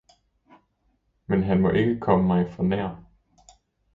men han må ikke komme mig for nær.